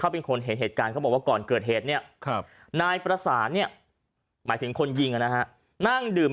เป็นคนได้เห็นกับการเกิดเหตุนายประสานนั่งดื่ม